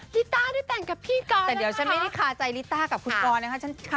ลิต้าได้แต่งกับพี่ก่อนแต่เดี๋ยวฉันไม่ได้คาใจลิต้ากับคุณกรนะคะ